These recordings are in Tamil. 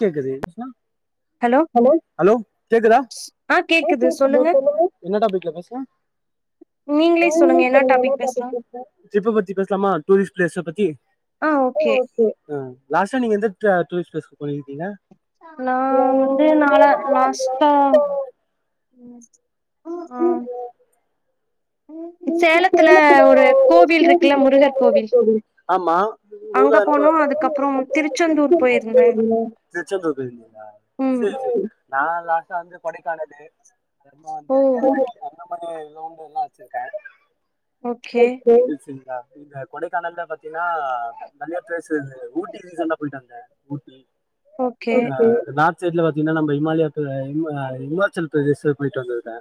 கேக்குது ஹலோ ஹலோ கேக்குதா ஆஹ் கேக்குது சொல்லுங்க என்ன டாப்பிக்ல பேஸ்லாம் டாப்பிக் ல பேசலாம் ட்ரிப் அ பத்தி பேசலாமா டூரிஸ்ட் ப்ளஸ் அ பத்தி ம் சேரி அம் லாஸ்ட்டா நீங்க எந்த [unintelligible] டூரிஸ் பேசு [unintelligible] நா வந்துநால லாஸ்ட்டா [inaudible] [unintelligible] ஆமா திருச்செந்தூர் போய்யிருந்திகளா சேரி சேரி நா லாஸ்டா வந்து கொடைக்கானலு [inaudible] [unintelligible] எல்ல [unintelligible] பெ பெருசுங்களா இந்த கொடைக்கானல்ல பாத்தினா நல்ல ப்ளேஸ் ஊட்டி ரீசன்டா போய்ட்டு வந்தே ஊட்டி [inaudible] செர்ல பாத்தீங்னா நம்ப இமால்யாக்கு இம்ம இம்மாச்சல் பிரதேச போய்ட்டு வந்துருக்க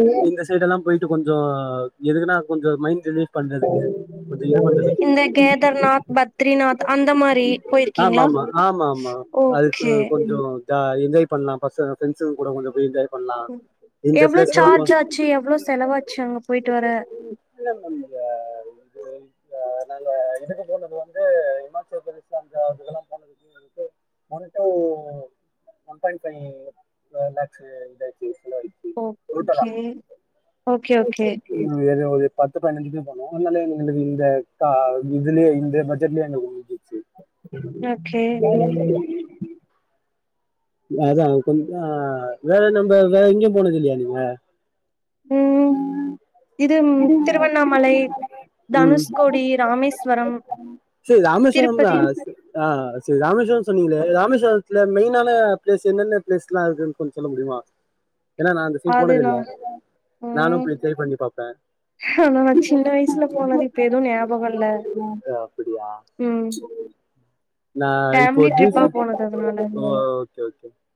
[inaudible] இதுலா போய்ட்டு கொஞ்ச எதுக்குனா கொஞ்ச மைண்ட் ரிலிஃப் பண்றது கொஞ்ச இந்த கேதர்நாத் பத்ரிநாத் அந்த மாரி போய்ருக்கீங்களா ஓகே ஜா என்ஜாய் பண்லா பசங்க ஃப்ரெண்ட்ஸ்ஸுங்க கூட கொஞ்ச போய் என்ஜாய் எவ்ளோ ஜார்ஜ் ஆச்சு எவ்ளோ செலவாச்சு அங்க போய்ட்டு வர [inaudible] நாங்க இதுக்கு போனது வந்து உச்சப்பிரதேச அங்க அதுக்கள்ளா போனதுக்கு கரெக்டா ஒன் டைம் [inaudible] இதாச்சு [inaudible] பத்து பதினஞ்சு [inaudible] நாமலே எங்களுக்கு இந்த கா இதுலயே இந்த பட்ஜெட்லே எங்களுக்கு [unintelligible] [unintelligible] [inaudible] நா இதாகொஞ்ச வேற நம்ப வேற எங்கியு போனதில்லையா நீங்க ம் சேரி ராமேஸ்வரம்தா அ சேரி ராமேஸ்வர சொன்னீங்களே ராமேஸ் [unintelligible] மெய்னான ப்ளேஸ் என்னென்ன ப்ளேஸ்லா இருக்கு கொஞ்ச சொல்ல முடியுமா ஏனா நா அந்த சைடு போனதில்ல நானு போய் என்ஜாய் பண்ணி பாப்பே அப்படியா நா இப்ப ஜுஸ்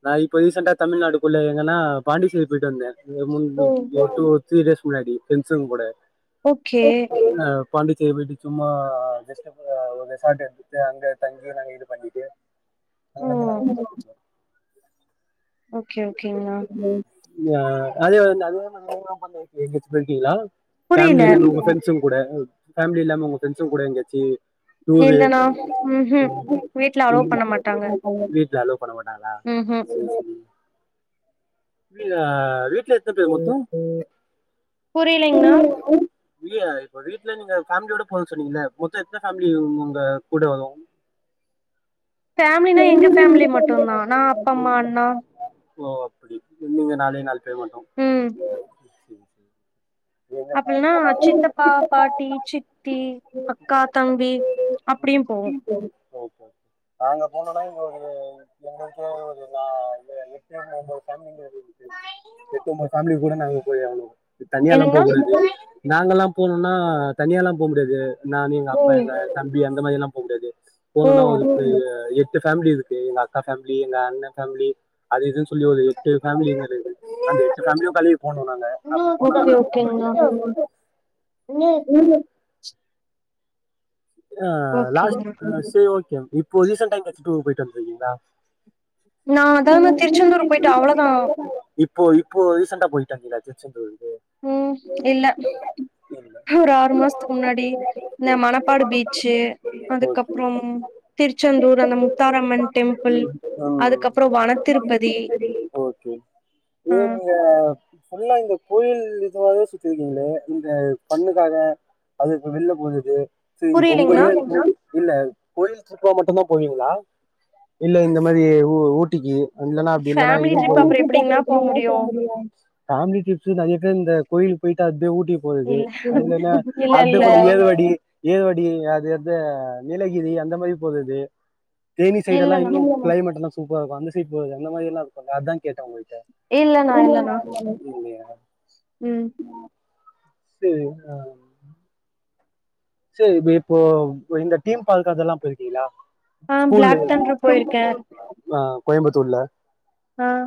நா இப்ப ரீசெண்டா தமிழ்நாடுக்குள்ள எங்கன்னா பாண்டிசேரி போயிட்டு வந்தே [unintelligible] த்ரீ டேஸ் முன்னாடி ஃப்ரெண்ட்ஸுங்க கூட ஓகே பாண்டிச்சேரி போயிட்டு சும்மா ஜஸ்ட் ஒரு ரெசார்ட் எடுத்துட்டு அங்க தங்கி நாங்க இது பண்ணிட்டு அங்க இருந்து நாங்க வந்தோ ஓகே ஓகேங்ணா ஆ அதே வந்து அதே மார [unintelligible] எங்கயாச்சு போயிருக்கீங்களா ஃபேமிலி இல்லாம உங்க ஃப்ரெண்ட்ஸுங் கூட ஃபேமிலி இல்லாம உங்க ஃப்ரெண்ட்ஸுங்க கூட எங்கயாச்சி டூரு வீட்ல அலோவ் பண்ண மாட்டாங்களா செரி செரி ஆ வீட்ல எத்தன பேர் மொத்தோ புரியலைங்ண்ணா இல்ல இப்ப வீட்ல நீங்க ஃபேமிலியோட போறேனு சொன்னீங்கல்ல மொத்தோ எத்தன ஃபேமிலி உங்க கூட வரு ஃபேமிலினா எங்க ஃபேமிலி மட்டும்தா நா அப்பா அம்மா அண்ணா ஓ அப்டி நீங்க நாலே நாலு பேர் மட்டு அப்டினா சித்தப்பா பாட்டி சித்தி அக்கா தம்பி அப்டியும் போவோ ஓகே ஓகே நாங்க போனோன்னா [unintelligible] ஒரு நா இது எட்டு ஒம்பது ஃபேமிலி [unintelligible] எட்டு ஒம்பது ஃபேமிலி கூட நாங்க போயாகணு அ தனியா எல்லாம் போக்கூடாது நாங்கெல்லாம் போணுன்னா தனியா எல்லா போ முடியாது நானு எங்க அப்பா எங்க தம்பி அண் அந்த மாரிலாம் போ முடியாது போனுன்னா ஒரு [unintelligible] எட் எட்டு ஃபேமிலி இருக்கு எங்க அக்கா ஃபேமிலி எங்க அண்ண ஃபேமிலி அது இதுன்னு சொல்லி ஒரு எட்டு ஃபேமிலிங்க இருக்குது அந்த எட்டு ஃபேமிலியு [unintelligible] போகணு நாங்க அப்டி போனா [unintelligible] [unintelligible] ஆ லாஸ்ட் சேரி ஓகே இப்போ ரீசெண்டா எங்கயாச்சு டூர் போயி [unintelligible] நான் அதான் திருச்செந்தூர்க்கு போயிட்டேன் அவ்ளோதான் இப்போ இப்போ ரீசண்டா போயிட்டு வந்தீங்களா திருச்செந்தூர் உஹம் இல்ல ஒரு ஆறு மாசத்துக்கு முன்னாடி இந்த மணப்பாடு பீச் அதுக்கப்புறம் திருச்செந்தூர் அந்த முத்தாரம்மன் டெம்பிள் அதுக்கப்புறம் வனத்திருப்பதி ஆஹ் இந்த கோயில் இதுவே சுற்ற இருக்கீங்களே இந்த பொண்ணுக்காக அது இப்ப வெளில போகுது உங்க ஏ இல்ல கோயில் ட்ரிப்பா மட்டும்தான் போவீங்களா இல்ல இந்த மாரி ஊட்டிக்கு இல்லனா அப்படி இல்லனா இது ஃபேமிலி ட்ரிப்ஸ் நெறைய பேர் இந்த கோயிலுக்கு போய்ட்டு அப்டியே ஊட் டி போகுது அது ன்ன அப்டியே கொஞ்சம் ஏறுவடி ஏர்வாடி அது எந்த நீலகிரி அந்த மாதிரி போறது தேனி சைட எல்ல இன்னும் கிளமேட் சூ சூப்பரா இருக்கும் அந்த சைடு போறது அந்த மாரி எல்லா இருக்கும் அதான் கேட்டேன் உங் இல்லண்ணா இல்லண்ணா உம் சரி ஆஹ் சரி இப்போ இந்த டீம் பார்க் எல்லாம் போயிருக்கீங்களா ஸ்கூலு ஆஹ் கோயம்புத்தூர்ல ஆஹ்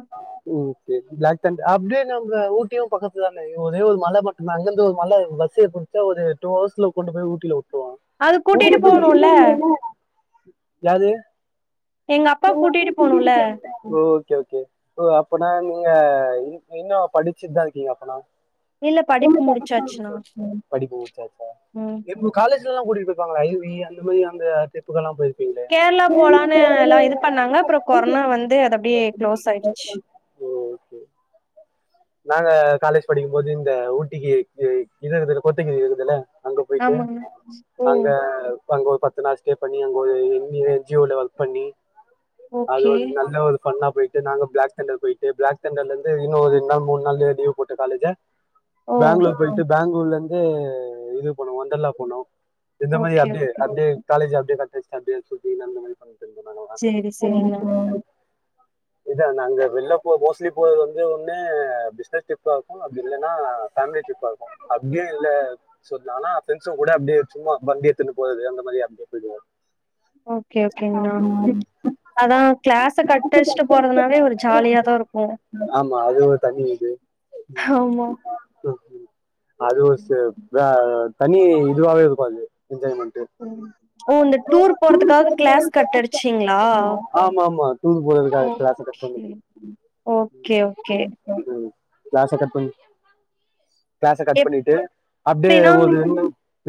பிளாக் தண் அப்டியே நம்ம ஊட்டியும் பக்கத்துல ஒரே ஒரு மலை மட்டும்தான் அங்கந்து ஒரு மலை பஸ்ல புடிச்சா ஒரு டூ ஹர்ஸ்ல கொண்டு போய் ஊட்டில அது கூட்டிட்டு போனும்ல யாது எங்க அப்பா கூட்டிட்டு போனும்ல ஒகே அப்பனா நீங்க இன்னும் படிச்சிட்டுதான் இருக்கீங்க அப்பனா [unintelligible] படிப்பு முடிச்சாச்சா எப்ப காலேஜ் இதுக்கெல்லாம் கூட்டிட்டு போயிருப்பாங்கலே ஐ வி அந்த மாரி அந்த ட்ரிப்புகெல்லாம் போயி கேரளா போலானனு எல்லா இது பண்ணாங்க அப்புறம் கொரோனா வந்து அது அப்படியே க்ளோஸ் ஆயிடுச்சு ஓகே நாங்க காலேஜ் படிக்கும்போது இந்த ஊட்டிக்கு இது இருக்குது கோத்தகிரி இருக்குதுல்ல அங்க ஆமாங்க உம் அங்க ஒரு பத்து நாள் ஸ்டே பண்ணி அங்க ஒரு [unintelligible] ஓர்க் பண்ணி அது வந்து நல்ல ஒரு பண்ணா போயிட்டு நாங்க பிளாக் டெண்டர் போயிட்டு பிளாக் டெண்டர்லருந்து இன்னும் ஒருரெண்டு நாள் மூணுனாள் லீவு போட்டு காலேஜ பேங்களூர் போய்டூ பேங்களூர்லருந்து இது பண்ணுவ ல்லாம் போனம் இந்த மாரி அப்டியே அப்டியே காலேஜ் அப்ப [unintelligible] சேரி சேரிண்ணா இதா நாங்க வெளில போ மோஸ்ட்லி போறது வந்து ஒன்னு பிசினஸ் ட்ரிப்பா இருக்கும் அப்படி இல்லைன்னா ஃபேமிலி ட்ரிப்பா இருக்கும் அப்படியுல்ல சொல்லனா பிரண்ட்சுங்க கூட அப்படியே சும்மா வண்டிய எடுத்து போறது அந்த மாரி அப்படியே போயிடுவோம் ஓகே ஓகேங்கன்னா அத கிளாச கட்டச்சுடு போறதுனவே ஒரு ஜாலியாதான் இருக்கும் ஆமா அது சில ப்அ தனி இதுவாவே இருக்கும் அது ஓ இந்த டூர் போறதுக்காக கிளாஸ் கட்டடுச்சிங்களா ஓகே ஓகே ஒகே கிளாஸ கட்பன் க்ளாச கட் பண்ணிட்டு அப்டியே ஒரு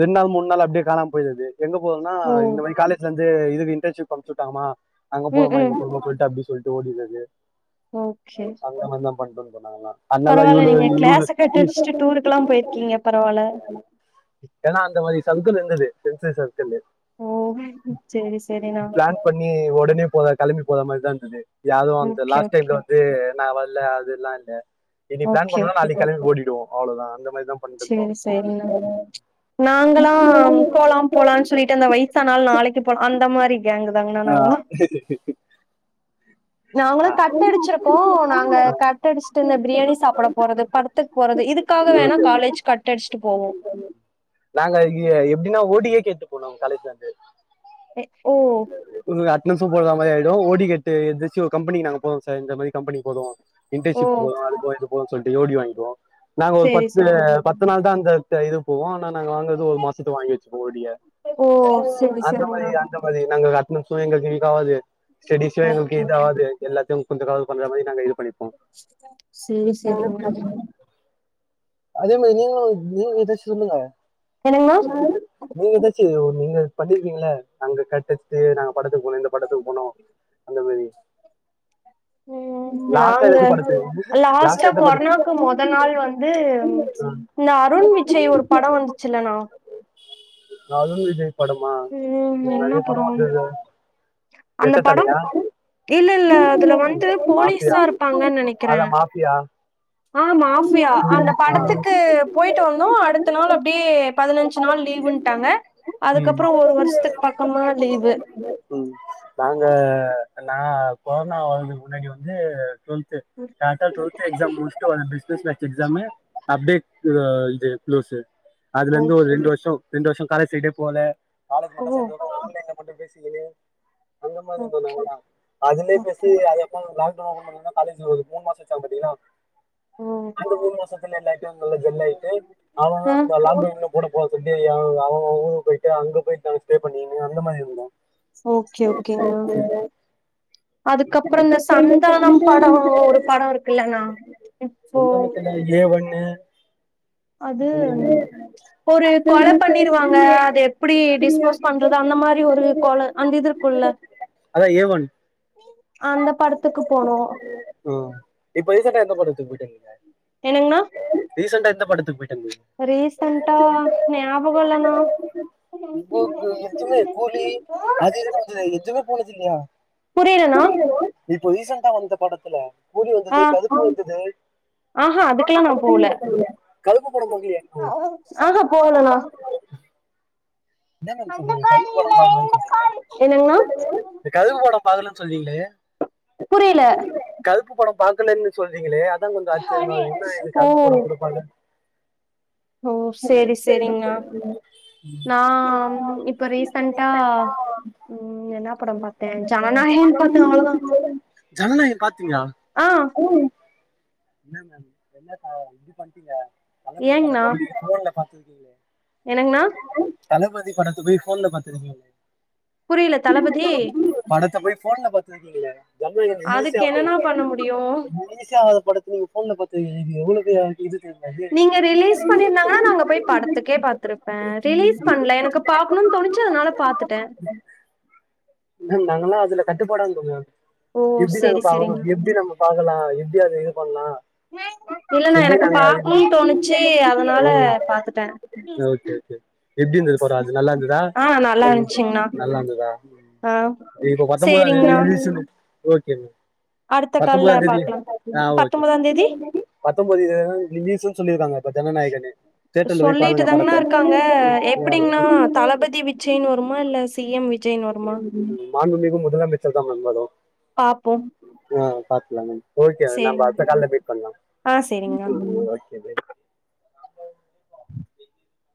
ரெண்டு நாள் மூணு நாள் அப்டியே கானாம போயிருறது எங்க போரோன்னா இந்தமாரி காலேஜ்ல இருந்து இது இது இண்டர்சுப் அனுச்சுட்டாங்கமா அங்க போனோமா இங்க போனோமா சொல்லிட்டு அப் சொல்ட்டு ஓடிற்றது ஓகே பண்டோன்ருவோம் நாங்கல்லாம் பரவால்ல நீங்க கிளாஸ கட்டடிச்சுட்டு டூருக்குெல்லாம் போயிருக்கீங்க பரவால்ல ஏன்னா அந்த மாரி சங்கல் இருந்தது ஃப்ரெண்ஸ் ஓ சேரி சேரினா உடனே போலா கெளம்பி போலா மாரிதான் இருந்தது யாரும் அந்த லாஸ்ட் டைம்ல வந்து நா இல்ல அதுல்லா இல்ல இன்னிக் பிளான் பண்ணோம் நாளை கிளம்பி ஓடிடுவோம் அவ்ளதான் அந்த மாரி என்ன பண்ணட்டுப்போம் நாங்களாம் போலாம் போலாம்னு சொல்லிட்டு அந்த வயசான நாளைக்கு போலாம் அந்த மாரி கேங்கு தாங்கண்ணா நாங்களா நாங்களும் கட்டடிச்சிருக்கோம் நாங்க கட்டடிச்சுட்டு இந்த பிரியாணி சாப்பிட போறது படத்துக்கு போறது இதுக்காக வேணா காலேஜ் கட்அடிச்சுட்டு போவோம் போனோம் காலேஜ்ல இருந்து ஏ ஓ இன்சூ போடுற மாரி ஆயிடும் ஓடிக்கட்டு எது ஒரு கம்பெனி நா போரோம் சார் இந்த மாதிரிகம்பனி போரோம் இன்டர்ஷிப் போ [unintelligible] போன்னு சொல்லிட்டு யோடி வாங்கிகோ நாங்க ஒரு பத்து பத்து நாள் தான் அந்த ச இது போவோம் நாங்க வாங்கறது ஒரு மாசத்தை வாங்கி வச்சுபோம் ஓடிய அந்த மாரி அந்த மாரி நாங்க [unintelligible] ங்காவாது ஸ்டெடி செய்னும் அது எல்லாத்தையும் குந்தக்காவது பண்ற மாதிரி நாங்க இது பண்ணிப்போம் [unintelligible] அதே மாரி நீங்களும் நீங்க ஏதாச்சு சொல்லுங்க [unintelligible] நீங்க ஏதாச்சு நீங்க பண்ணிருப்பீங்கள அங்க கட்டச்சிட்டு நாங்க படத்துக்கு போணும் இந்த படத்துக்கு போனும் உஹம் நாங்க லாஸ்டா கொரோனாக்கு மொத நாள் வந்து இந்த அருண்விஜய் ஒரு படம் வந்துச்சுல நா அருண் விஜய் படமா நிறைய படமா வந்துதது ரெட்டத்தலையா இல்ல இல்ல அதுல வந்து போலீஸ்ஸா இருப்பாங்கன்னு நினைக்கிறேன் ஆஹ் மாபியா அந்த படத்துக்கு போயிட்டு வந்தோம் அடுத்த நாள் அப்படியே பதினஞ்சு நாள் லீவு்ன்னட்டாங்க அதுக்கப் அப்புறம் ஒரு வருஷத்துக்கு பக்கமா லீவு நா கொரோனா வரதுக்கு முன்னாடி வந்து டுவெல்த் கரெக்டா டுவல்த் எக்ஸாம் முடிச்சுட்டு பிசினஸ் மேக்ஸ் எக்ஸாமு அப்படியே [unintelligible] அதுலருந்து ஒரு ரெண்டு வருஷம் ரெண்டு வருஷம் காலேஜ் சைடே போல [unintelligible] [inaudible] [unintelligible] பேசிக்கின்னு அந்த மாரி இருந்தோ நாங்களா அதுலே பேசி அது என்னா லாக்டவுன் காலேஜ் வருது மூணு மாசம் வச்சா பாத்தீங்களா அந்த மூணுமாசத்து எல்லார்டையும் நல்லா ஜெல்லாய்ட்டு [unintelligible] கூட போக சொல்ட்டு அவங்க ஊருக்கு போயிட்டு அங்க போயிட்டு நாங்க ஸ்டே பண்ணீனு அந்தமாரி இருந்தோம் ஓகே ஓகேங்க அதுக்கப்புறம் இந்த சந்தானம் படம் ஒரு படம் இருக்கு இல்லனா இப்போ [inaudible] அது ஒரு கொல பண்ணிருவாங்க அது எப்படி டிஸ்போஸ் பண்றது அந்த மாரி ஒரு கொல அந்த இது இருக்கும்ல்ல அந்த படத்துக்கு போனோம் என்னங்னா ரீசண்டா எந்த படத்துக்கு போயி ரீசன்டா ஞாபகம் இல்லனா காலேஜ் இல்லையா புரியலன்னா இப்ப ரீசண்டா வந்த படத்துல கூலி வந்தது கருப்பு வந்தது கருப்பு படம் பாக்கலையா நீ என்ன நெனச்சிங்கற கருப்பு படம் பாக்லன்னு சொல்றீங்க இந்த கருப்பு படம் அதிலிருந்து சொல்லுவீங்களா புரியல கருப்பு படம் பாக்கலன்னு சொல்றீங்களே அது இன்னும் கொஞ்சம் ஆச்சரியமா இன்னும் என்ன கருப்பு படம் கூட பாக்காம [unintelligible] ஆஹ் இப்ப ஆஹ் ரீசண்டா என்ன படம் பாத்தேன் ஜனநாயகன் பாத்தேன் அவ்ளவுதான் ஆஹ் என்னங்க என்னப்பா இப்படி பண்ணிட்டீங்க [unintelligible] [unintelligible] என்னங்கண்ணா தளபதி படத்த போய் போன்ல பாத்ருக்கிங்ளே புரில தளபதி போன்ல பாத்ருக்கீங்ளே எங்க ஈசியா [unintelligible] நீங்க போன்ல பார்த்தது இங்க எவ்வளவு நீங்க ரிலீஸ் பண்ணிருந்தாங்கன்னா நாங்க போய் படத்துக்கே பாத்துருப்பேன் ரிலீஸ் பண்ணல எனக்கு பாக்கணும்னு தோணுச்சு அதனால பாத்துட்டேன் கட்டுப்பாடா இருந்துக்கணும் எப்டி நாங்க பாக்கணும் எப்டி நம்ம பாக்கலாம் எப்படியாவது சொல்லிறாதீங்க யார்கிட்டயும் சேர் சேர் எப்டி இருந்தது படம் நல்லா இருந்ததா நல்லா இருந்ததா இது பத்தொம்போதாந்தேதி ரிலீஸ்னு ஓகேங்க அடுத்த கால்ல பாக்கலாம் பத்தொன்பதாஐம் தேதி [inaudible] பத்தொன்பதா தேதி லீஸ்ன்னு சொல்லிருக்காங்க ஜன நாயகானே தேட்டல்ல போய் பாக்கனும் மான்பு மிகு முதலமைச்சர் தான் மேடம் பாத்துகலங்க ஓகே நாம்ப [inaudible] கால மீட் பண்ணலாம் [inaudible] [inaudible]